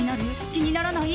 気にならない？